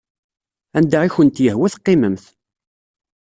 Anda i kent-yehwa teqqimemt.